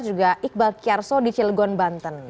juga iqbal kiyarso di cilgon banten